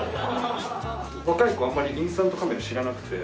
若い子あんまりインスタントカメラ知らなくて。